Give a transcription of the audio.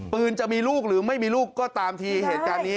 จะมีลูกหรือไม่มีลูกก็ตามทีเหตุการณ์นี้